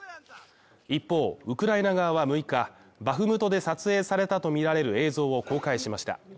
一方、ウクライナ側は６日、バフムトで撮影されたとみられる映像を公開しました。